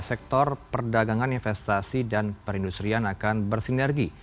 sektor perdagangan investasi dan perindustrian akan bersinergi